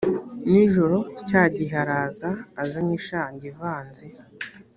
nijoro cya gihe araza azanye ishangi ivanze